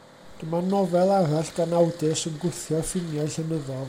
Dyma nofel arall gan awdur sy'n gwthio'r ffiniau llenyddol.